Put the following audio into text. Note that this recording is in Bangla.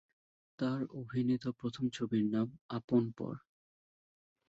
তার অভিনীত প্রথম ছবির নাম "আপন পর"।